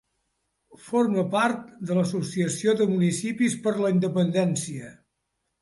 Forma part de l'Associació de Municipis per la Independència.